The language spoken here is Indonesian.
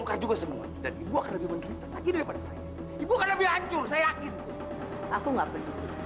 kalau kamu bakal ingatkan saya suatu saat nanti